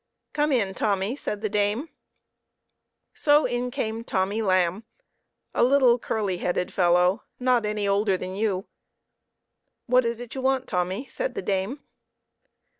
" Come in, Tommy," said the dame. So in came Tommy Lamb, a little, curly headed fellow, not any older than you. " What is it you want, Tommy ?" said the dame.